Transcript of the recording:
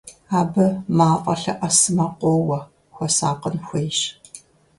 Абы мафӀэ лъэӀэсмэ къоуэ, хуэсакъын хуейщ!